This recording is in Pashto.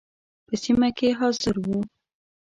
په سیمه کې حاضر وو.